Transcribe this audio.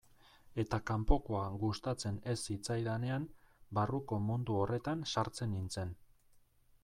Eta kanpokoa gustatzen ez zitzaidanean, barruko mundu horretan sartzen nintzen.